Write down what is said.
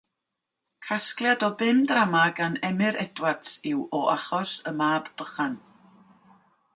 Casgliad o bum drama gan Emyr Edwards yw O Achos y Mab Bychan.